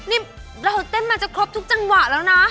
นี่เราเต้นมาจะครบทุกจังหวะแล้วนะ